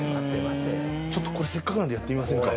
ちょっとこれ、せっかくなのでやってみませんか。